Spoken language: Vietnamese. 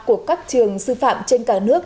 của các trường sư phạm trên cả nước